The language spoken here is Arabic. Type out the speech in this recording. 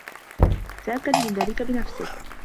تأكّد من ذلك بنفسك.